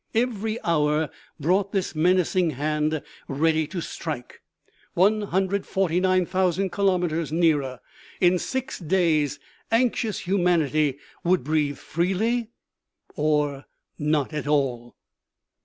Every hour brought this menac ing hand, ready to strike, 149,000 kilometers near er. In six days anxious humanity would breathe freely or not at all.